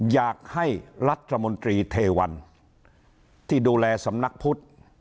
อยากให้รัฐมนตรีเทวันที่ดูแลสำนักพุทธ